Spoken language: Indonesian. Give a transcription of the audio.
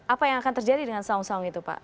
apa yang akan terjadi dengan saung saung itu pak